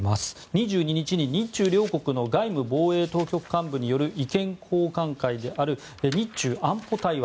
２２日に日中両国の外務・防衛当局幹部による意見交換会である日中安保対話。